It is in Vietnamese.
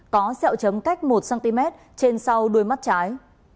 có xeo chấm cách một cm trên sau đuôi mắt trái